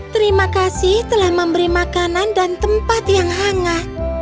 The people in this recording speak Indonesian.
terima kasih telah memberi makanan dan tempat yang hangat